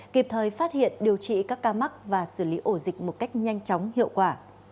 kịp thời phát hiện điều trị các ca mắc và xử lý ổ dịch một cách nhanh chóng hiệu quả